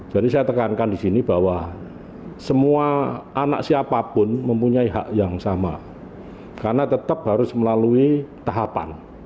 jadi saya tekankan di sini bahwa semua anak siapapun mempunyai hak yang sama karena tetap harus melalui tahapan